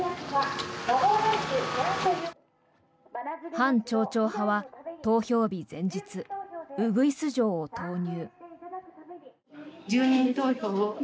反町長派は投票日前日うぐいす嬢を投入。